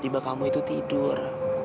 tiba kamu itu tidur